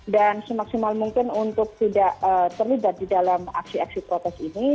dan semaksimal mungkin untuk tidak terlibat di dalam aksi aksi protes ini